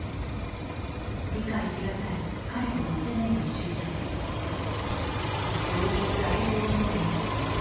理解し難い彼の娘への執着、度を超す愛情表現。